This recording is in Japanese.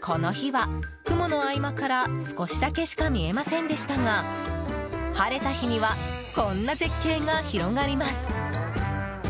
この日は雲の合間から少しだけしか見えませんでしたが晴れた日にはこんな絶景が広がります。